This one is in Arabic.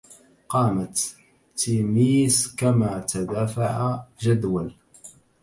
قامت تميس كما تدافع جدول